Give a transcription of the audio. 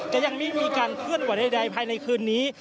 จะยังไม่มีการเล่าไปในคืนนี้